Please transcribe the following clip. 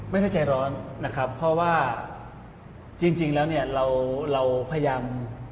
ไม่ได้ใจร้อนนะครับเพราะว่าจริงแล้วเนี่ยเราพยายาม